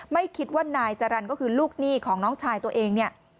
ไม่คิดว่านายจรรย์ก็คือลูกหนี้ของน้องชายตัวเองเนี่ย